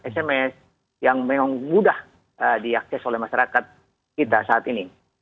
sms yang memang mudah diakses oleh masyarakat kita saat ini